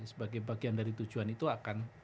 sebagai bagian dari tujuan itu akan